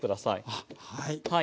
あっはい。